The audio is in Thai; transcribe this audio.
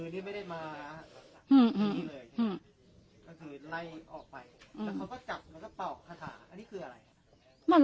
มือนี่ไม่ได้มาด้วย